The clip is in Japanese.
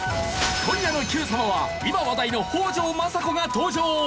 今夜の『Ｑさま！！』は今話題の北条政子が登場！